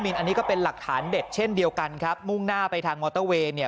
อันนี้ก็เป็นหลักฐานเด็ดเช่นเดียวกันครับมุ่งหน้าไปทางมอเตอร์เวย์เนี่ย